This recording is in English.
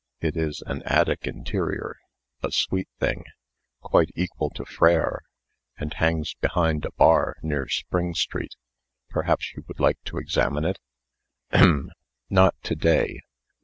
It is an attic interior a sweet thing, quite equal to Frère, and hangs behind a bar near Spring street. Perhaps you would like to examine it?" "Hem! Not to day.